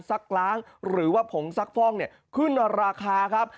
ซักล้างหรือว่าผงซักฟ่องเนี่ยขึ้นราคาครับ